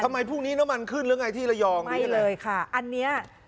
พรุ่งนี้น้ำมันขึ้นหรือไงที่ระยองนี่เลยค่ะอันเนี้ย